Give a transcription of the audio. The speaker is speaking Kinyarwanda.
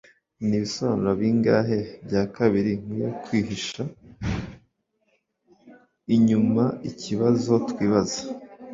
Nibisobanuro bingahe bya kabiri nkwiye kwihisha inyumaikibazo twibaza